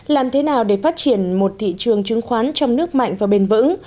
làm thế nào để phát triển một thị trường chứng khoán trong nước mạnh và bền vững